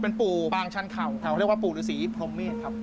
เป็นปู่บางชันเข่าแถวเรียกว่าปู่ฤษีพรมเมษครับ